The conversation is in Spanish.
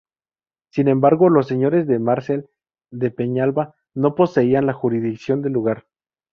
Sin embargo, los señores de Marcel de Peñalba no poseían la jurisdicción del lugar.